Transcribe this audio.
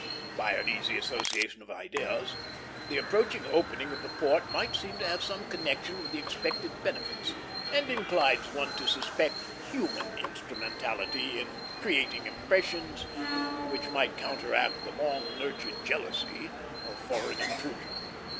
By an easy association of ideas, the approaching opening of the port might seem to have some connection with the expected benefits, and inclines one to suspect human instrumentality in creating impressions which might counteract the long nurtured jealousy of foreign intrusion.